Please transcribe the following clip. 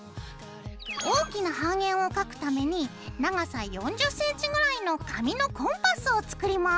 大きな半円を描くために長さ４０ｃｍぐらいの紙のコンパスを作ります。